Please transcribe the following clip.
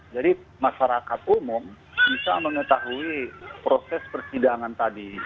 jadi masyarakat umum bisa mengetahui proses persidangan tadi